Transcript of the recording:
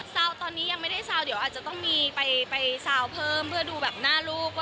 ตอนนี้ยังไม่ได้ซาวเดี๋ยวอาจจะต้องมีไปซาวเพิ่มเพื่อดูแบบหน้าลูก